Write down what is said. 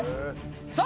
さあ